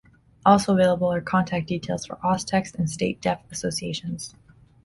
Also available are contact details for Austext and state deaf associations.